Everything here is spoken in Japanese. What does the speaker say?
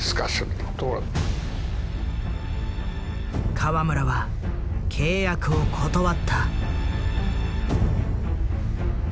河村は契約を断った。